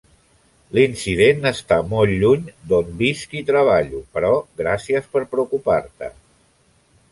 L'incident està molt lluny d'on visc i treballo, però gràcies per preocupar-te.